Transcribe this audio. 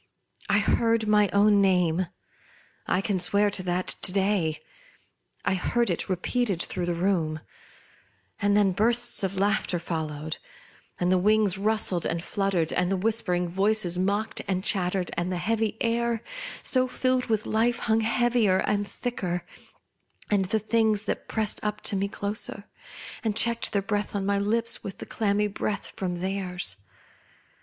I heard my own name, I can swear to that to day ! I heard it repeated through the room ; and then bursts of laughter followed, and the wings rustled and fluttered, and the whisper ing voices mocked and chattered, and the heavy air, so filled with life, hung heavier and thicker, and the Things pressed up t o me closer, and checked the breath on my lips with the clammy breath from theirs.